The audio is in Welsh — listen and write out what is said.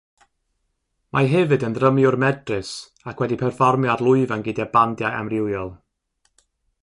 Mae hefyd yn ddrymiwr medrus ac wedi perfformio ar lwyfan gyda bandiau amrywiol.